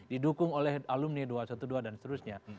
didukung oleh alumni dua ratus dua belas dan seterusnya